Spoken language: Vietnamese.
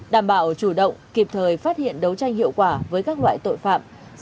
đảm bảo chủ động kịp thời phát hiện đấu tranh hiệu quả với các loại tội phạm